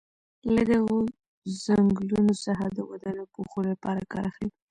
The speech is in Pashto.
له دغو څنګلونو څخه د ودانیو پوښلو لپاره کار اخلي.